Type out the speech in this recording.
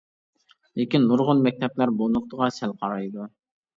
لېكىن نۇرغۇن مەكتەپلەر بۇ نۇقتىغا سەل قارايدۇ.